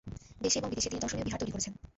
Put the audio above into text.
দেশে এবং বিদেশে তিনি দর্শনীয় বিহার তৈরি করেছেন।